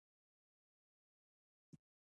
د پښتو ادب پلار خوشحال بابا یاد سوى.